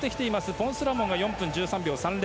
ポンス・ラモンが４分１３秒３０。